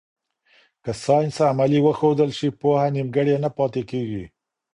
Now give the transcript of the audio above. که ساینس عملي وښودل سي، پوهه نیمګړې نه پاته کېږي.